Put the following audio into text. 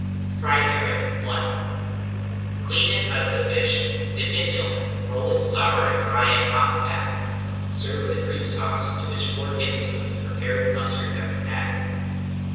FRIED HERRING I Clean and cut up the fish, dip in milk, roll in flour and fry in hot fat. Serve with a Cream Sauce, to which four tablespoonfuls of prepared mustard have been added.